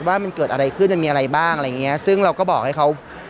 ว่ามันเกิดอะไรขึ้นมันมีอะไรบ้างอะไรอย่างเงี้ยซึ่งเราก็บอกให้เขา